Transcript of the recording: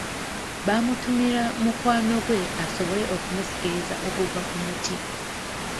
Baamutumira mukwano gwe asobole okumusikiriza okuva ku muti.